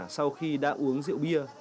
sau khi đã uống rượu bia